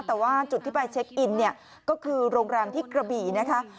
แต่ว่าจุดที่ไปเช็คอินเนี่ยก็คือโรงแรมที่กระบี่นะคะ